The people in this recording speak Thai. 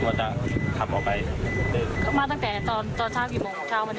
ถ้ามันตามนะรู้ว่าแล้วหลับมาจากที่อื่น